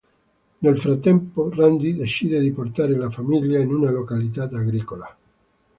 Nel frattempo, Randy decide di portare la famiglia in una località agricola.